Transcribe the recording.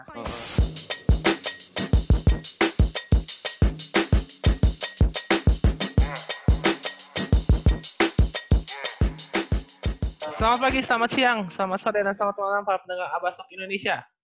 selamat pagi selamat siang selamat sore dan selamat malam para pendengar abasok indonesia